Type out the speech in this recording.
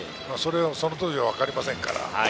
その当時はわかりませんから。